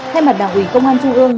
thay mặt đảng ủy công an trung ương